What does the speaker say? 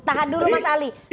tahan dulu mas ali